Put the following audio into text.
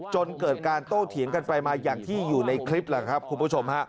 จนเกิดการโตเถียงกันไปมาอย่างที่อยู่ในคลิป